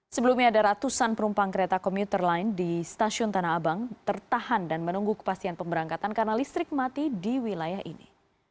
sebelumnya ada ratusan penumpang kereta komuter lain di stasiun tanah abang tertahan dan menunggu kepastian pemberangkatan karena listrik mati di wilayah ini